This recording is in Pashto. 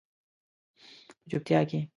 په چوپتیا کې